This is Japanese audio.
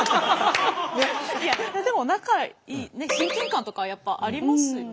いやでも仲いい親近感とかやっぱありますよね。